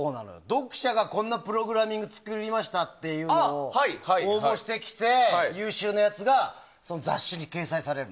読者がこんなプログラミングを作りましたっていうのを応募してきて優秀なやつが雑誌に掲載される。